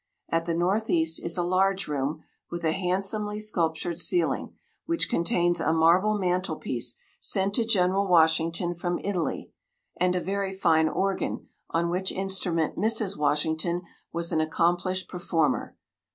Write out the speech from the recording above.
At the north east is a large room, with a handsomely sculptured ceiling, which contains a marble mantel piece, sent to General Washington from Italy, and a very fine organ, on which instrument Mrs. Washington was an accomplished performer.